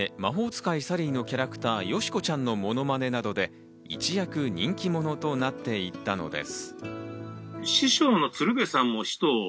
『魔法使いサリー』のキャラクター、よし子ちゃんのものまねなどで一躍、人気者となっていったのです。